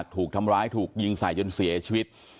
ถูกทำร้ายถูกยิงใส่จนเสียชีวิต